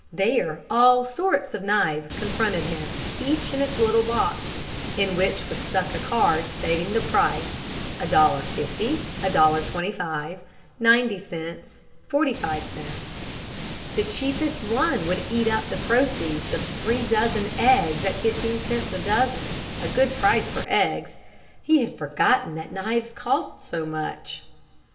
There all sorts of knives confronted him, each in its little box, in which was stuck a card stating the price, $1.50, $1.25, 90c, 45c. The cheapest one would eat up the proceeds of three dozen eggs at fifteen cents a dozen a good price for eggs! He had forgotten that knives cost so much.